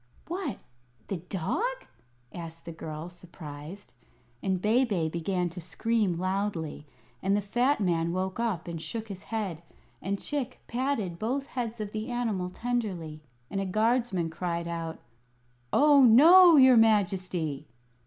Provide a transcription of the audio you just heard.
"What, the dog?" asked the girl, surprised. And Bebe began to scream loudly; and the fat man woke up and shook his head, and Chick patted both heads of the animal tenderly, and a guardsman cried out: "Oh, no, your Majesty!"